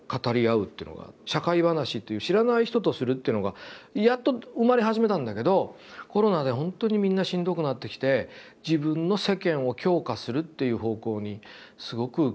「社会話」っていう知らない人とするっていうのがやっと生まれ始めたんだけどコロナで本当にみんなしんどくなってきて自分の世間を強化するっていう方向にすごく行っているという気がしますね。